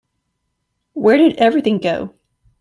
Where did everything go?